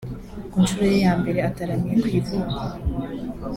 Ku nshuro ye ya mbere ataramiye ku ivuko